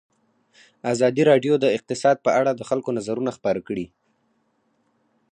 ازادي راډیو د اقتصاد په اړه د خلکو نظرونه خپاره کړي.